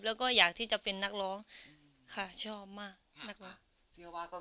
แล้วก็อยากที่จะเป็นนักร้องค่ะชอบมากนะคะ